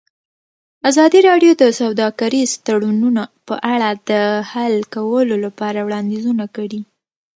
ازادي راډیو د سوداګریز تړونونه په اړه د حل کولو لپاره وړاندیزونه کړي.